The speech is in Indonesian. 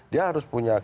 dia harus punya kebesaran